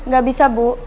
gak bisa bu